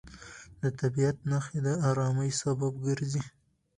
د طبیعت نښې د ارامۍ سبب ګرځي.